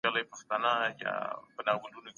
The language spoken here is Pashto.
راتلونکی تل له رازونو ډک وي.